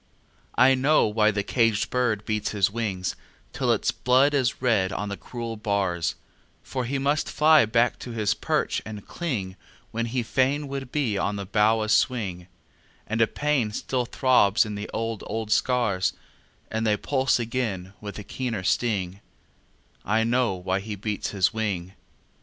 I know why the caged bird beats his wing Till its blood is red on the cruel bars; For he must fly back to his perch and cling When he fain would be on the bough a swing; And a pain still throbs in the old, old scars And they pulse again with a keener sting I know why he beats his wing!